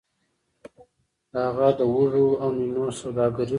هغه د وږو او نینو سوداګري کوله.